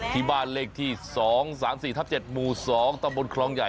ที่บ้านเลขที่๒๓๔ทับ๗หมู่๒ตำบลคลองใหญ่